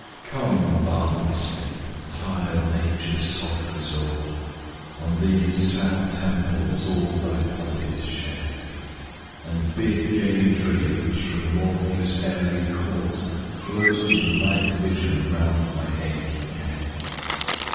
COME, balmy Sleep! tired nature's soft resort! On these sad temples all thy poppies shed; And bid gay dreams, from Morpheus' airy court, Float in light vision round my aching head!